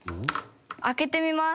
開けてみます。